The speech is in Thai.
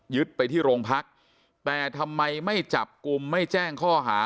ไปที่โรงพักแต่ทำไมไม่จับกลุ่มไม่แจ้งข้อหา